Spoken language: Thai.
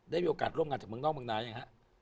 ได้มีโอกาสร่วมงานจากเมืองนอกเมืองนายังฮะ